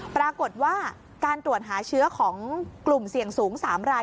ปรากฏว่าการตรวจหาเชื้อของกลุ่มเสี่ยงสูง๓ราย